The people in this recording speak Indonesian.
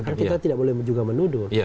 karena kita tidak boleh juga menuduh